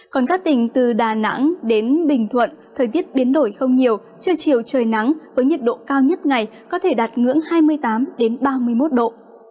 còn các tỉnh từ đà nẵng đến bình thuận thời tiết biến đổi không nhiều trưa chiều trời nắng với nhiệt độ cao nhất ngày có thể đạt ngưỡng hai mươi tám ba mươi một độ